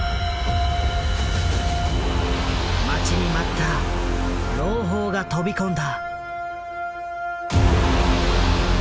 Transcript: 待ちに待った朗報が飛び込んだ。